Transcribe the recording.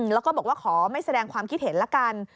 แล้วก็บอกว่าขอไม่แสดงความคิดเห็นละกัน